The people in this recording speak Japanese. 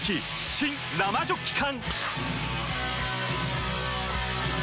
新・生ジョッキ缶！